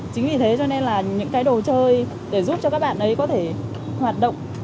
chính vì thế cho nên là những cái đồ chơi để giúp cho các bạn ấy có thể hoạt động